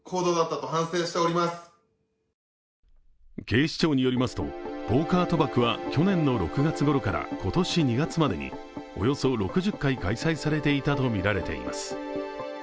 警視庁によりますと、ポーカー賭博は去年６月ごろから今年２月までにおよそ６０回開催されていたとみられています。